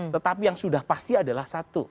tetapi yang sudah pasti adalah satu